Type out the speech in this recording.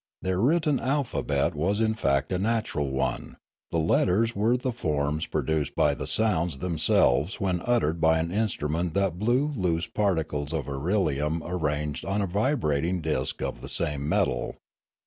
Their written alphabet was in fact a natural one; the letters were the forms produced by the sounds themselves when uttered by an instrument that blew upon loose particles of irelium arranged on a vibrating disc of the same metal.